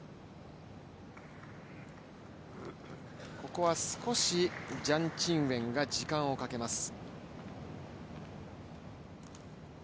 ここは少しジャン・チンウェンが時間をかけます。